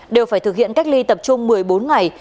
đều phải thực hiện cách ly tập trung một mươi bốn ngày